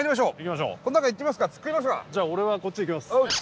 じゃあ俺はこっち行きます。